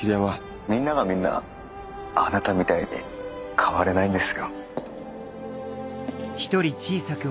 みんながみんなあなたみたいに変われないんですよ。